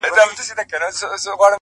o زما زړه په محبت باندي پوهېږي ـ